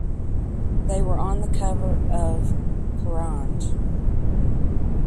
They were on the cover of Kerrang!